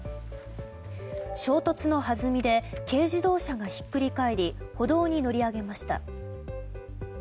衝突の弾みで軽自動車がひっくり返り歩道に乗り上げました。